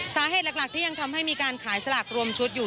สาเหตุหลักที่ยังทำให้มีการขายสลากรวมชุดอยู่